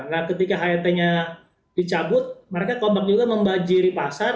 nah ketika het nya dicabut mereka kompak juga membajiri pasar